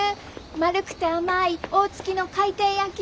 円くて甘い「大月」の回転焼き。